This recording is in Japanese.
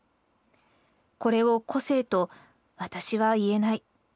これを個性とわたしは言えない。